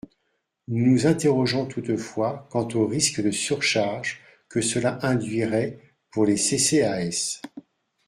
Nous nous interrogeons toutefois quant au risque de surcharge que cela induirait pour les CCAS.